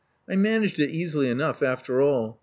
I managed it easily enough, after all.